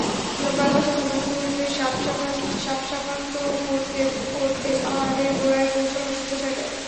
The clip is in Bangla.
লোকাল বাসের পূর্বপুরুষদের শাপশাপান্ত করতে করতে পাহাড়ের গোড়ায় পৌঁছালাম সন্ধ্যা ছয়টায়।